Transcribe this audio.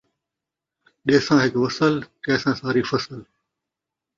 ݙیساں ہک وصل ، چیساں ساری فصل